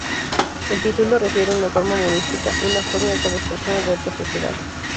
El título, refiere en forma humorística, una fobia hacia las personas de alta sociedad.